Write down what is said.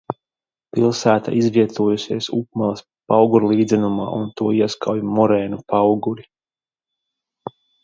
Pilsēta izvietojusies Upmales paugurlīdzenumā un to ieskauj morēnu pauguri.